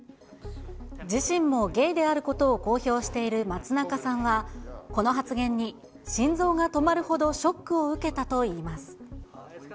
自身もゲイであることを公表している松中さんは、この発言に心臓が止まるほどショックを受けたといいます。